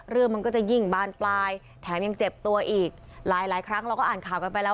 เรื่องมันก็จะยิ่งบานปลายแถมยังเจ็บตัวอีกหลายหลายครั้งเราก็อ่านข่าวกันไปแล้ว